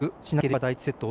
第１セット